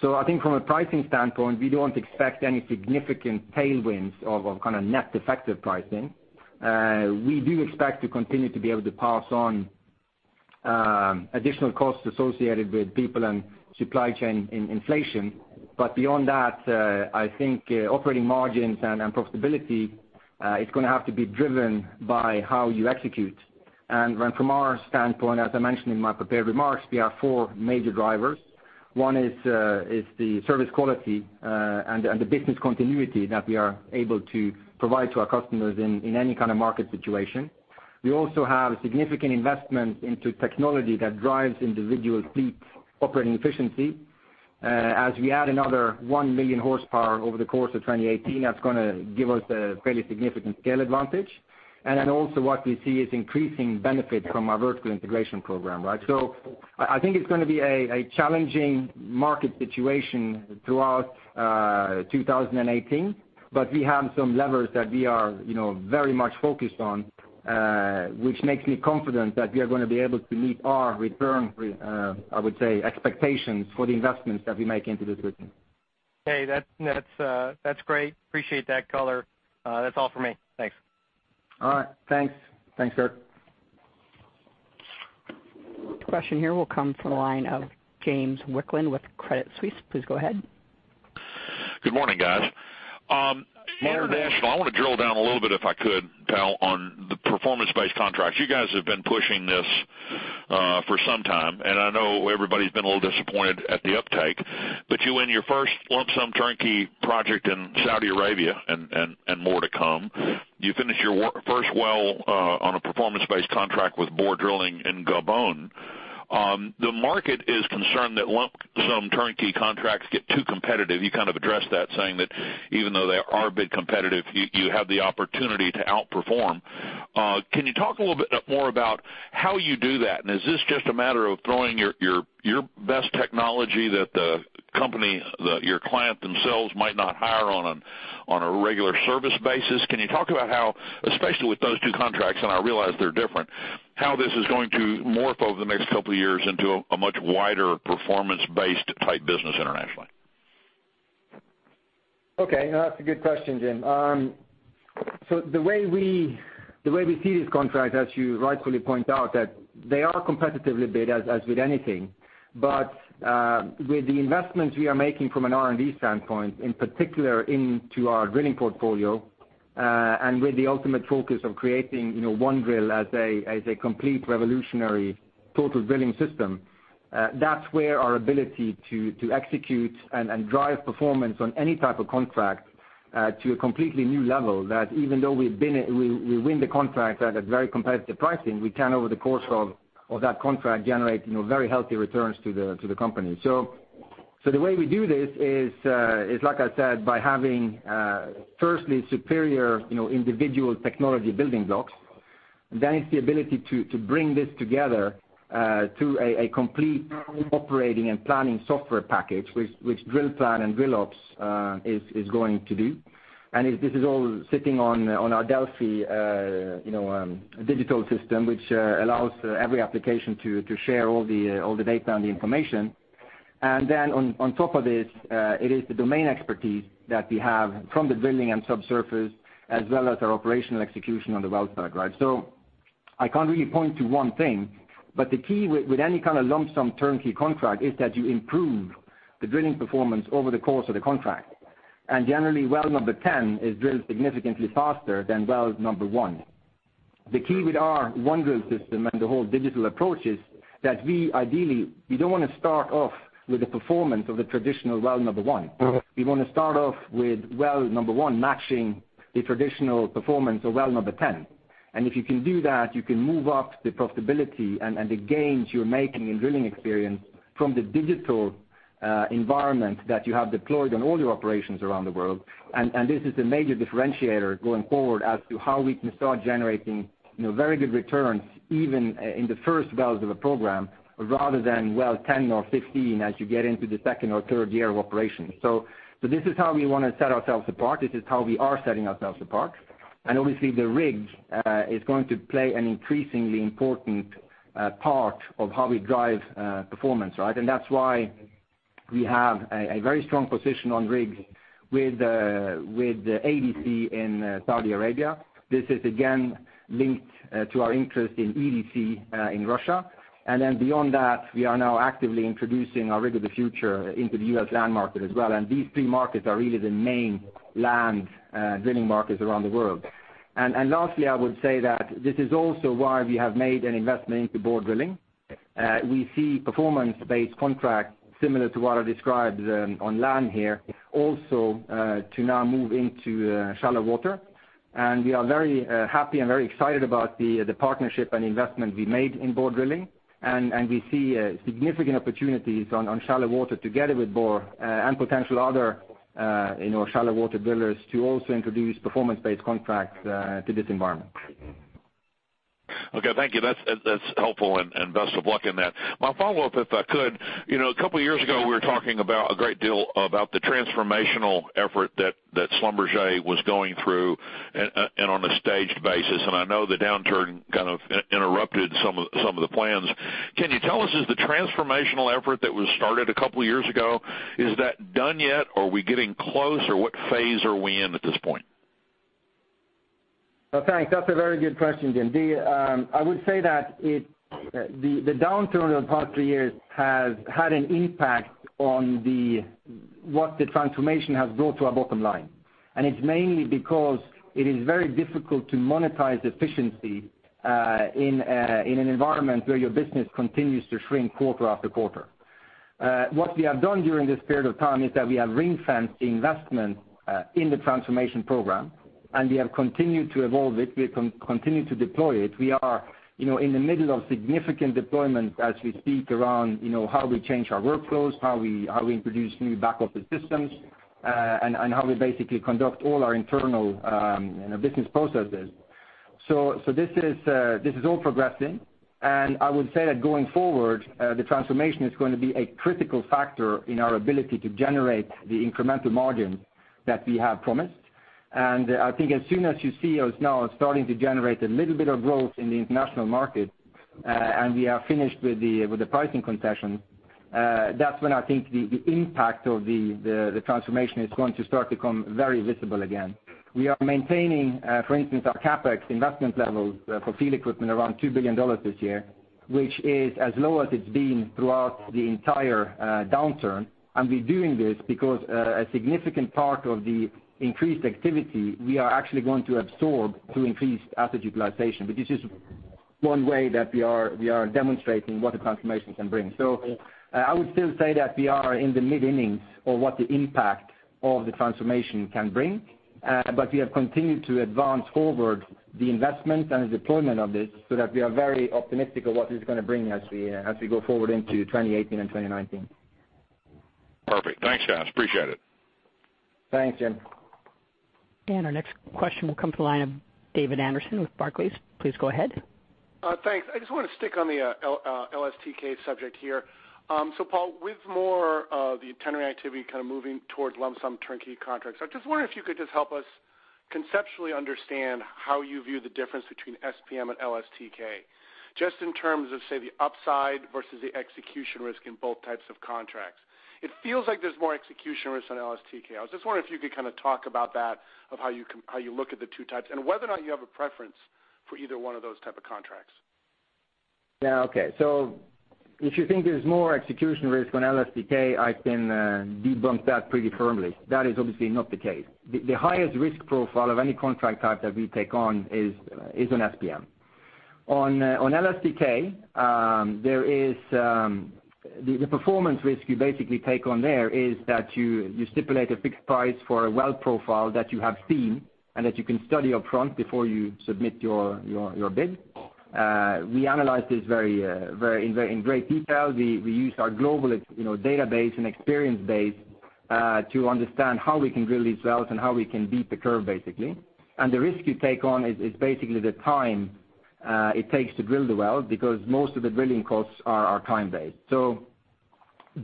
I think from a pricing standpoint, we don't expect any significant tailwinds of kind of net effective pricing. We do expect to continue to be able to pass on additional costs associated with people and supply chain inflation. Beyond that, I think operating margins and profitability, it's going to have to be driven by how you execute. From our standpoint, as I mentioned in my prepared remarks, we have four major drivers. One is the service quality and the business continuity that we are able to provide to our customers in any kind of market situation. We also have significant investment into technology that drives individual fleet operating efficiency. As we add another 1 million horsepower over the course of 2018, that's going to give us a fairly significant scale advantage. Also what we see is increasing benefit from our vertical integration program, right? I think it's going to be a challenging market situation throughout 2018, but we have some levers that we are very much focused on, which makes me confident that we are going to be able to meet our return, I would say, expectations for the investments that we make into this business. Hey, that's great. Appreciate that color. That's all for me. Thanks. All right. Thanks, Kurt. Question here will come from the line of James Wicklund with Credit Suisse. Please go ahead. Good morning, guys. International, I want to drill down a little bit, if I could, Paal, on the performance-based contracts. You guys have been pushing this for some time, and I know everybody's been a little disappointed at the uptake. You win your first lump sum turnkey project in Saudi Arabia, and more to come. You finish your first well on a performance-based contract with Borr Drilling in Gabon. The market is concerned that lump sum turnkey contracts get too competitive. You kind of addressed that, saying that even though they are a bit competitive, you have the opportunity to outperform. Can you talk a little bit more about how you do that? Is this just a matter of throwing your best technology that the company, your client themselves might not hire on a regular service basis? Can you talk about how, especially with those two contracts, and I realize they're different, how this is going to morph over the next couple of years into a much wider performance-based type business internationally? Okay. No, that's a good question, Jim. The way we see these contracts, as you rightfully point out, that they are competitively bid as with anything. With the investments we are making from an R&D standpoint, in particular into our drilling portfolio, and with the ultimate focus of creating OneDrill as a complete revolutionary total drilling system, that's where our ability to execute and drive performance on any type of contract to a completely new level, that even though we win the contract at a very competitive pricing, we can, over the course of that contract, generate very healthy returns to the company. The way we do this is, like I said, by having, firstly, superior individual technology building blocks. Then it's the ability to bring this together to a complete operating and planning software package, which DrillPlan and DrillOps is going to do. This is all sitting on our Delfi digital system, which allows every application to share all the data and the information. On top of this, it is the domain expertise that we have from the drilling and subsurface, as well as our operational execution on the well side. I can't really point to one thing, but the key with any kind of lump sum turnkey contract is that you improve the drilling performance over the course of the contract. Generally, well number 10 is drilled significantly faster than well number one. The key with our OneDrill system and the whole digital approach is that we ideally, we don't want to start off with the performance of the traditional well number one. We want to start off with well number one matching the traditional performance of well number 10. If you can do that, you can move up the profitability and the gains you're making in drilling experience from the digital environment that you have deployed on all your operations around the world. This is the major differentiator going forward as to how we can start generating very good returns, even in the first wells of a program, rather than well 10 or 15 as you get into the second or third year of operations. This is how we want to set ourselves apart. This is how we are setting ourselves apart. Obviously, the rig is going to play an increasingly important part of how we drive performance. That's why we have a very strong position on rigs with ADES in Saudi Arabia. This is again linked to our interest in EDC in Russia. Beyond that, we are now actively introducing our Rig of the Future into the U.S. land market as well. These three markets are really the main land drilling markets around the world. Lastly, I would say that this is also why we have made an investment into Borr Drilling. We see performance-based contracts similar to what I described on land here, also to now move into shallow water. We are very happy and very excited about the partnership and investment we made in Borr Drilling. We see significant opportunities on shallow water together with Borr and potential other shallow water drillers to also introduce performance-based contracts to this environment. Okay, thank you. That's helpful, and best of luck in that. My follow-up, if I could. A couple of years ago, we were talking about a great deal about the transformational effort that Schlumberger was going through on a staged basis, and I know the downturn kind of interrupted some of the plans. Can you tell us, is the transformational effort that was started a couple of years ago, is that done yet, or are we getting close, or what phase are we in at this point? Thanks. That's a very good question, Jim. I would say that the downturn of the past three years has had an impact on what the transformation has brought to our bottom line. It's mainly because it is very difficult to monetize efficiency in an environment where your business continues to shrink quarter after quarter. What we have done during this period of time is that we have ring-fenced the investment in the transformation program. We have continued to evolve it. We have continued to deploy it. We are in the middle of significant deployment as we speak around how we change our workflows, how we introduce new back office systems, and how we basically conduct all our internal business processes. This is all progressing. I would say that going forward, the transformation is going to be a critical factor in our ability to generate the incremental margin that we have promised. I think as soon as you see us now starting to generate a little bit of growth in the international market. We are finished with the pricing concession. That's when I think the impact of the transformation is going to start to come very visible again. We are maintaining, for instance, our CapEx investment levels for field equipment around $2 billion this year, which is as low as it's been throughout the entire downturn. We're doing this because a significant part of the increased activity, we are actually going to absorb through increased asset utilization. This is one way that we are demonstrating what the transformation can bring. I would still say that we are in the mid-innings of what the impact of the transformation can bring. We have continued to advance forward the investment and the deployment of this so that we are very optimistic of what it's going to bring as we go forward into 2018 and 2019. Perfect. Thanks, Paal. Appreciate it. Thanks, Jim. Our next question will come from the line of David Anderson with Barclays. Please go ahead. Thanks. I just want to stick on the LSTK subject here. Paal, with more of the itinerary activity kind of moving towards lump sum turnkey contracts, I was just wondering if you could just help us conceptually understand how you view the difference between SPM and LSTK, just in terms of, say, the upside versus the execution risk in both types of contracts. It feels like there's more execution risk on LSTK. I was just wondering if you could talk about that, of how you look at the two types, and whether or not you have a preference for either one of those type of contracts. Yeah. Okay. If you think there's more execution risk on LSTK, I can debunk that pretty firmly. That is obviously not the case. The highest risk profile of any contract type that we take on is an SPM. On LSTK, the performance risk you basically take on there is that you stipulate a fixed price for a well profile that you have seen and that you can study up front before you submit your bid. We analyze this in great detail. We use our global database and experience base to understand how we can drill these wells and how we can beat the curve, basically. The risk you take on is basically the time it takes to drill the well, because most of the drilling costs are time-based.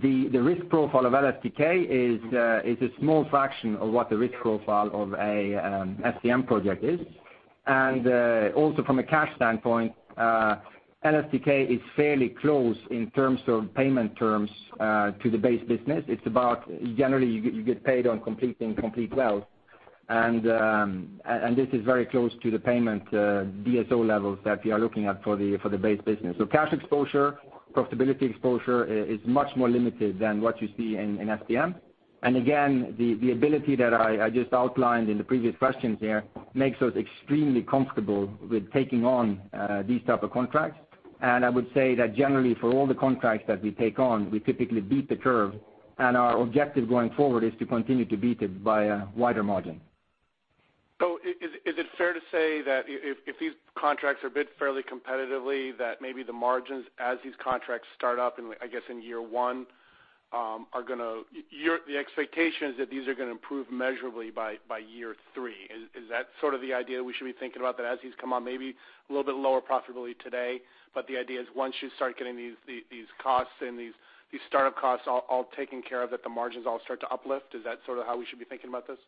The risk profile of LSTK is a small fraction of what the risk profile of an SPM project is. Also from a cash standpoint, LSTK is fairly close in terms of payment terms to the base business. It's about, generally, you get paid on completing complete wells. This is very close to the payment DSO levels that we are looking at for the base business. Cash exposure, profitability exposure is much more limited than what you see in SPM. Again, the ability that I just outlined in the previous questions there makes us extremely comfortable with taking on these type of contracts. I would say that generally for all the contracts that we take on, we typically beat the curve. Our objective going forward is to continue to beat it by a wider margin. Is it fair to say that if these contracts are bid fairly competitively, that maybe the margins as these contracts start up in, I guess, in year 1, the expectation is that these are going to improve measurably by year 3. Is that sort of the idea we should be thinking about, that as these come on, maybe a little bit lower profitability today, but the idea is once you start getting these costs and these startup costs all taken care of, that the margins all start to uplift? Is that how we should be thinking about this?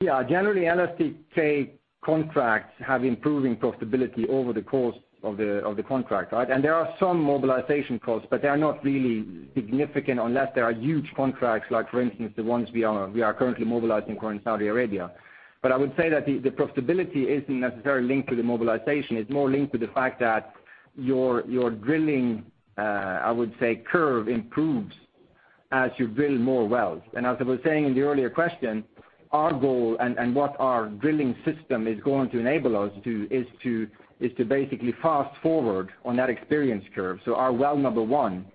Yeah. Generally, LSTK contracts have improving profitability over the course of the contract, right? There are some mobilization costs, but they are not really significant unless there are huge contracts like for instance, the ones we are currently mobilizing for in Saudi Arabia. I would say that the profitability isn't necessarily linked to the mobilization. It's more linked to the fact that your drilling, I would say, curve improves as you drill more wells. As I was saying in the earlier question, our goal and what our drilling system is going to enable us to do is to basically fast-forward on that experience curve. Our well number 1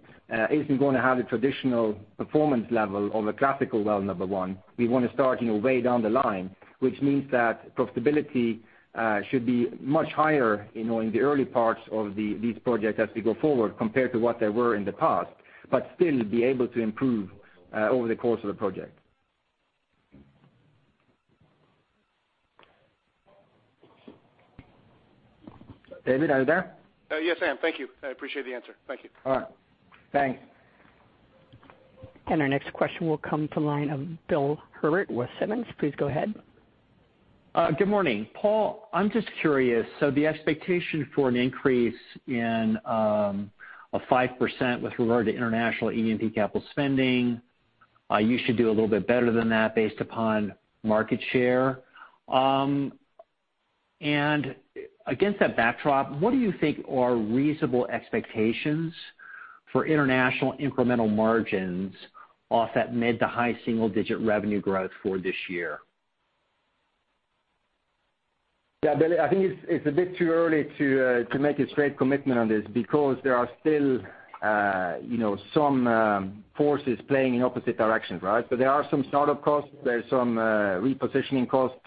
isn't going to have the traditional performance level of a classical well number 1. We want to start way down the line, which means that profitability should be much higher in the early parts of these projects as we go forward compared to what they were in the past, but still be able to improve over the course of the project. David, are you there? Yes, I am. Thank you. I appreciate the answer. Thank you. All right. Thanks. Our next question will come from the line of Bill Herbert with Simmons. Please go ahead. Good morning. Paal, I'm just curious, the expectation for an increase in a 5% with regard to international E&P capital spending, you should do a little bit better than that based upon market share. Against that backdrop, what do you think are reasonable expectations for international incremental margins off that mid to high single-digit revenue growth for this year? Bill, I think it's a bit too early to make a straight commitment on this because there are still some forces playing in opposite directions, right? There are some startup costs, there's some repositioning costs.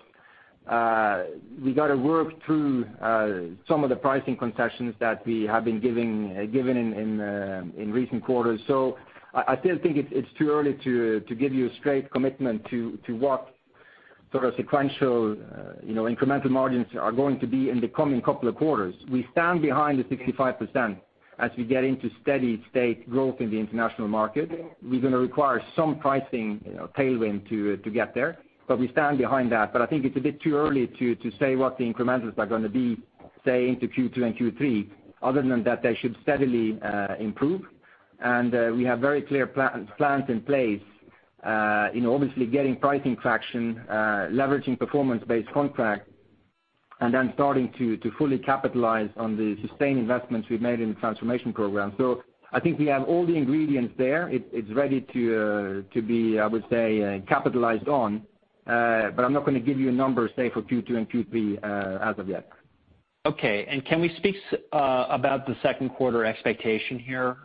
We got to work through some of the pricing concessions that we have been giving in recent quarters. I still think it's too early to give you a straight commitment to what sort of sequential incremental margins are going to be in the coming couple of quarters. We stand behind the 65%. As we get into steady state growth in the international market, we're going to require some pricing tailwind to get there. We stand behind that. I think it's a bit too early to say what the incrementals are going to be, say, into Q2 and Q3, other than that they should steadily improve. We have very clear plans in place in obviously getting pricing traction, leveraging performance-based contract, and then starting to fully capitalize on the sustained investments we've made in the Transformation Program. I think we have all the ingredients there. It's ready to be, I would say, capitalized on. I'm not going to give you a number, say, for Q2 and Q3 as of yet. Okay. Can we speak about the second quarter expectation here,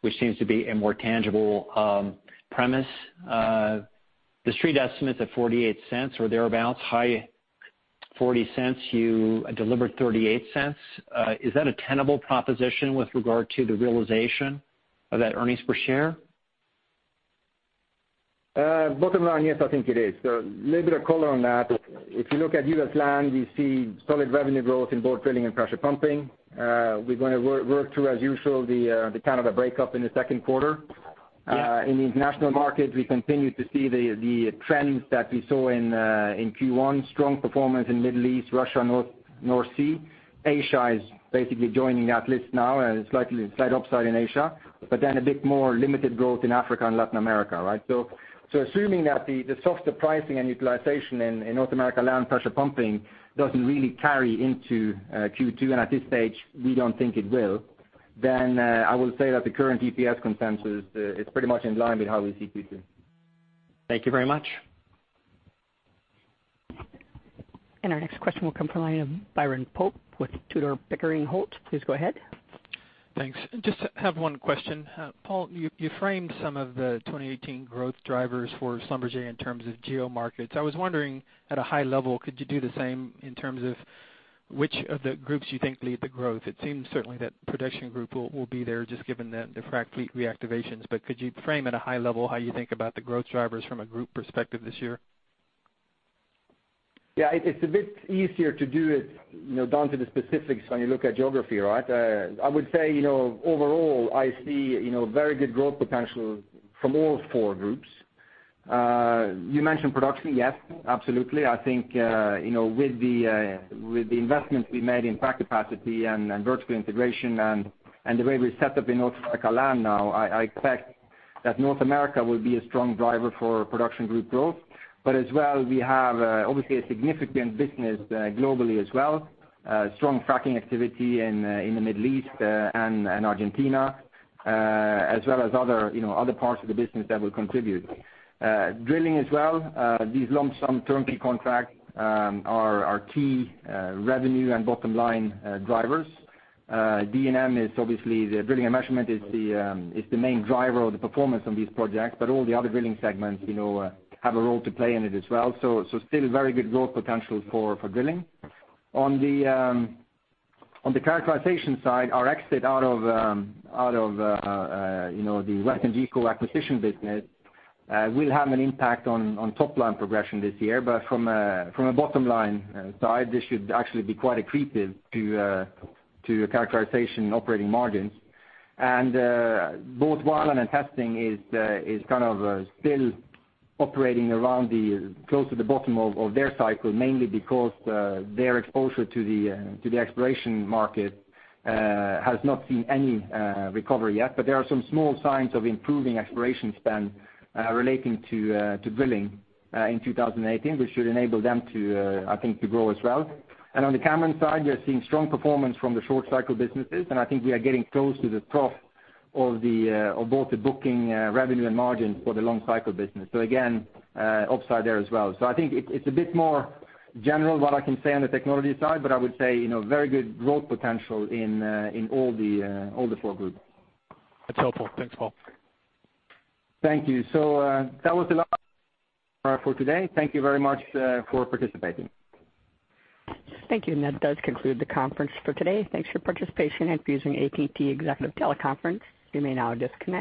which seems to be a more tangible premise? The Street estimates at $0.48 or thereabouts, high $0.40s. You delivered $0.38. Is that a tenable proposition with regard to the realization of that earnings per share? Bottom line, yes, I think it is. A little bit of color on that. If you look at U.S. land, you see solid revenue growth in both drilling and pressure pumping. We're going to work through, as usual, the kind of a breakup in the second quarter. Yeah. In the international markets, we continue to see the trends that we saw in Q1, strong performance in Middle East, Russia, North Sea. Asia is basically joining that list now, slightly slight upside in Asia, a bit more limited growth in Africa and Latin America. Assuming that the softer pricing and utilization in North America land pressure pumping doesn't really carry into Q2, at this stage, we don't think it will, I will say that the current EPS consensus is pretty much in line with how we see Q2. Thank you very much. Our next question will come from the line of Byron Pope with Tudor, Pickering, Holt. Please go ahead. Thanks. Just have one question. Paal, you framed some of the 2018 growth drivers for Schlumberger in terms of geo markets. I was wondering, at a high level, could you do the same in terms of which of the groups you think lead the growth? It seems certainly that production group will be there just given the frack fleet reactivations. Could you frame at a high level how you think about the growth drivers from a group perspective this year? Yeah, it's a bit easier to do it down to the specifics when you look at geography, right? I would say, overall, I see very good growth potential from all four groups. You mentioned production, yes, absolutely. I think with the investments we made in frac capacity and vertical integration and the way we're set up in North America land now, I expect that North America will be a strong driver for production group growth. As well, we have obviously a significant business globally as well. Strong fracking activity in the Middle East and Argentina, as well as other parts of the business that will contribute. Drilling as well. These lump sum turnkey contracts are key revenue and bottom-line drivers. D&M is obviously, the drilling and measurement is the main driver of the performance on these projects, all the other drilling segments have a role to play in it as well. Still very good growth potential for drilling. On the characterization side, our exit out of the WesternGeco acquisition business will have an impact on top-line progression this year. From a bottom-line side, this should actually be quite accretive to characterization operating margins. Both well and testing is kind of still operating around close to the bottom of their cycle, mainly because their exposure to the exploration market has not seen any recovery yet. There are some small signs of improving exploration spend relating to drilling in 2018, which should enable them, I think, to grow as well. On the Cameron side, we are seeing strong performance from the short cycle businesses, I think we are getting close to the trough of both the booking revenue and margin for the long cycle business. Again, upside there as well. I think it's a bit more general what I can say on the technology side, I would say very good growth potential in all the four groups. That's helpful. Thanks, Paal. Thank you. That was the last for today. Thank you very much for participating. Thank you. That does conclude the conference for today. Thanks for participation and for using AT&T Executive Teleconference. You may now disconnect.